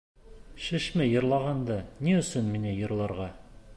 Шишмә йырлағанда, ни өсөн миңә йырларға?!